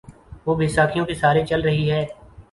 وہ بیساکھیوں کے سہارے چل رہی ہے۔